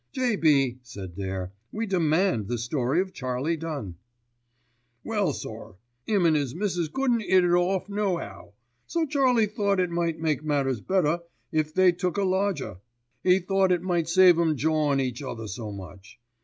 "J.B.," said Dare, "we demand the story of Charlie Dunn." 'Well, sir, 'im an' 'is missus couldn't 'it it off no 'ow, so Charlie thought it might make matters better if they took a lodger. 'E thought it might save 'em jawin' each other so much.